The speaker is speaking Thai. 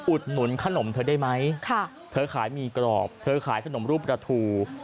อุดหนุนขนมเธอได้ไหมเธอขายหมี่กรอบเธอขายขนมรูปประทู